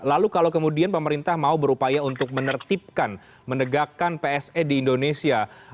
lalu kalau kemudian pemerintah mau berupaya untuk menertibkan menegakkan pse di indonesia